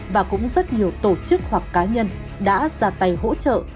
và cũng rất nhiều tổ chức hoặc cá nhân đã ra tay hỗ trợ